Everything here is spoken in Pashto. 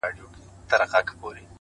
قاتل ژوندی دی، مړ یې وجدان دی،